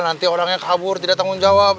nanti orangnya kabur tidak tanggung jawab